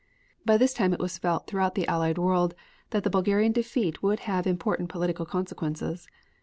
By this time it was felt throughout the Allied world that the Bulgarian defeat would have important political consequences.